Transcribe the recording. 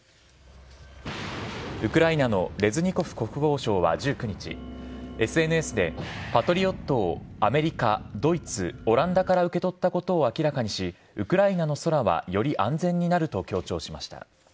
ウクライナのレズニコフ国防相は１９日ＳＮＳで、パトリオットをアメリカ、ドイツオランダから受け取ったことを明らかにしウクライナの空はより安全になると強調しました。